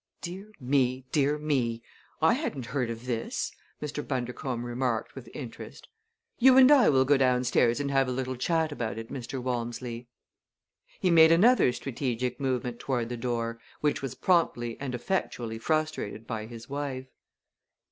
"Dear me! Dear me! I hadn't heard of this!" Mr. Bundercombe remarked with interest. "You and I will go downstairs and have a little chat about it, Mr. Walmsley." He made another strategic movement toward the door, which was promptly and effectually frustrated by his wife.